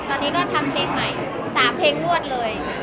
ตอนนี้ก็ทำเพลงใหม่๓เพลงรวดเลย